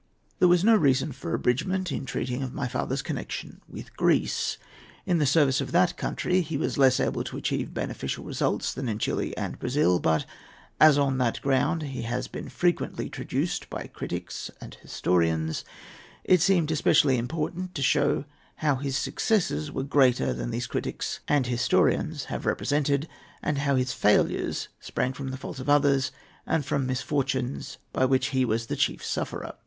There was no reason for abridgment in treating of my father's connection with Greece. In the service of that country he was less able to achieve beneficial results than in Chili and Brazil; but as, on that ground, he has been frequently traduced by critics and historians, it seemed especially important to show how his successes were greater than these critics and historians have represented, and how his failures sprang from the faults of others and from misfortunes by which he was the chief sufferer.